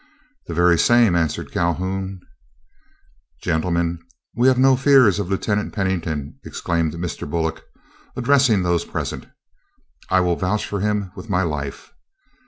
"The very same," answered Calhoun. "Gentlemen, we need have no fears of Lieutenant Pennington," exclaimed Mr. Bullock, addressing those present. "I will vouch for him with my life.